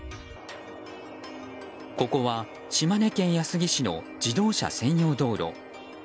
ここは島根県安来市の自動車専用道路。